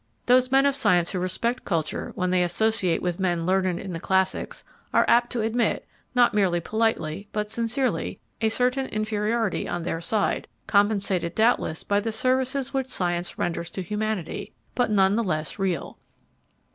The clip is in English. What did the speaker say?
Those men of science who respect culture, when they associate with men learned in the classics, are apt to admit, not merely politely, but sincerely, a certain inferiority on their side, compensated doubtless by the services which science renders to humanity, but none the less real.